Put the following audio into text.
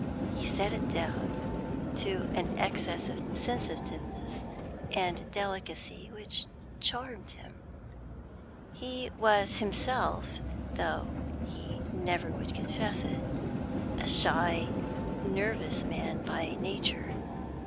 He set it down to an excess of sensitiveness and delicacy which charmed him. He was himself though he never would confess it a shy, nervous man by nature.